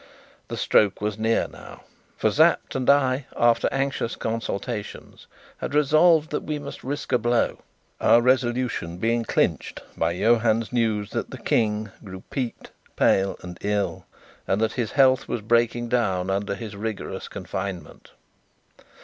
The stroke was near now. For Sapt and I, after anxious consultations, had resolved that we must risk a blow, our resolution being clinched by Johann's news that the King grew peaked, pale, and ill, and that his health was breaking down under his rigorous confinement.